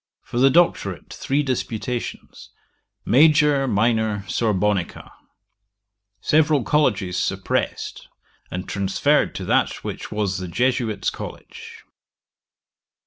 For the Doctorate three disputations, Major, Minor, Sorbonica. Several colleges suppressed, and transferred to that which was the Jesuits' College.